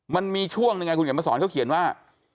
มันมีช่วงหนึ่งไงคุณเขียนมาสอนเขาเขียนว่า